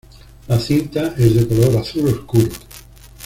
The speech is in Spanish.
La cinta es de color azul oscuro.